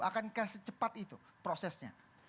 akankah secepat itu prosesnya